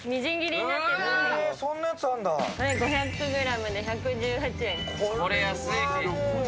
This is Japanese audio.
５００グラムで１１８円。